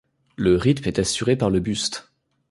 Le rythme est assuré par le buste.